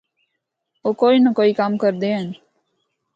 او کوئی نہ کوئی کم کردے ہن۔